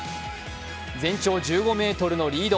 全長１５ｍのリード。